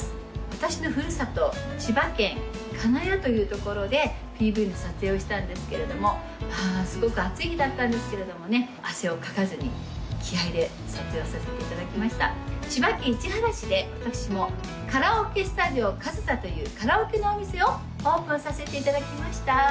私のふるさと千葉県金谷というところでＰＶの撮影をしたんですけれどもまあすごく暑い日だったんですけれどもね汗をかかずに気合いで撮影をさせていただきました千葉県市原市で私もカラオケスタジオかずさというカラオケのお店をオープンさせていただきました